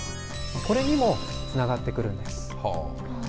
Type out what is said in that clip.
これにもつながってくるんです。